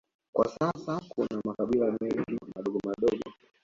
Kwa sasa kuna makabila mengine madogo madogo